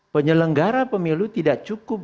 penyelenggara pemilu tidak cukup